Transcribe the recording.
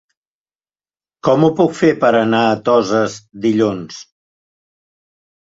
Com ho puc fer per anar a Toses dilluns?